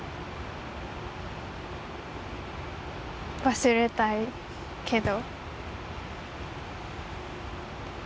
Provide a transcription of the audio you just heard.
忘れたいけど。